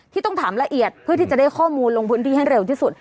ต้องถามละเอียดเพื่อที่จะได้ข้อมูลลงพื้นที่ให้เร็วที่สุด